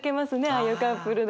ああいうカップルの方。